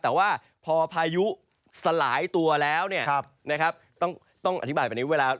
แต่ว่าพอพายุสลายตัวแล้วเนี่ยครับนะครับต้องต้องอธิบายไปหนึ่งเวลา